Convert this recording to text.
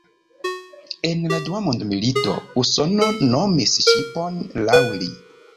En la dua mondmilito Usono nomis ŝipon laŭ li.